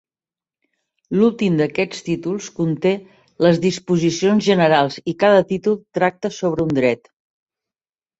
L'últim d'aquests títols conté les disposicions generals i cada títol tracta sobre un dret.